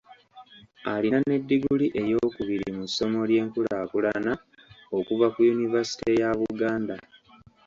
Alina ne ddiguli eyokubiri mu ssomo ly'enkulaakulana okuva ku yunivaasite ya Buganda.